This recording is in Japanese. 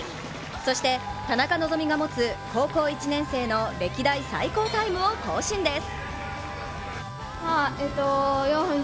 そして田中希実が持つ高校１年生の歴代最高タイムを更新です。